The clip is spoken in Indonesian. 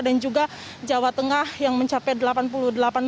dan juga jawa tengah yang mencapai sembilan puluh persen